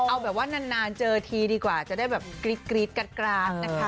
เอาแบบว่านานเจอทีดีกว่าจะได้แบบกรี๊ดกราดนะคะ